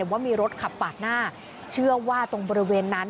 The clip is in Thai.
ว่ามีรถขับปากหน้าเชื่อว่าตรงบริเวณนั้น